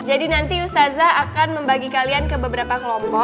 jadi nanti ustazah akan membagi kalian ke beberapa kelompok